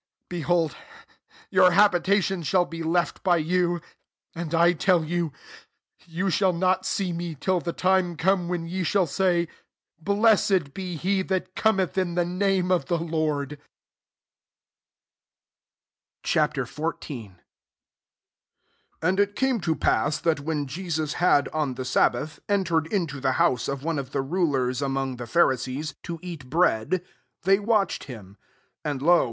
35 Behold, your habita tion shall be left by you.* And I tell you. Ye shall not see me, till the time come when ye shall say, • Blessed be he that Cometh in the name of the Lord.' '» Ch. XIV, 1 And it came to pass, that when JrMua had, on the sabbath, entered into the house of one of the rulers among the Pharisees, to eat bread, they watched him. 2 And, lo